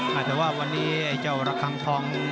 แต่ว่าวันนี้ไอ้เจ้าระคังทอง